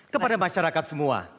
kepada masyarakat semua